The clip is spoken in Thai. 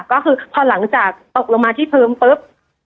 ก็คือพอหลังจากตกลงมาที่เพลิงปุ๊บ